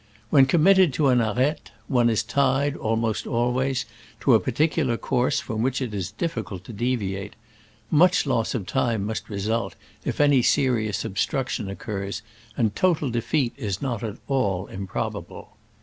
When committed to an arete, one is tied, almost always, to a particular course, from which it is difficult to deviate. Much loss of time must result if any serious obstruction occurs, and total defeat is not at all im probable.